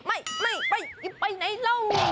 ไม่ไปในรอ